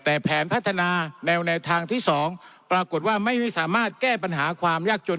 แต่แผนพัฒนาแนวทางที่๒ปรากฏว่าไม่สามารถแก้ปัญหาความยากจน